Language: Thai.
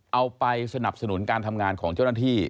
เอาไปสนับสนุนการทำงานของเจ้าหน้าที่